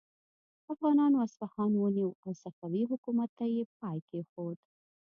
افغانانو اصفهان ونیو او صفوي حکومت ته یې پای کیښود.